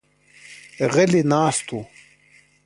غلي ناست وو.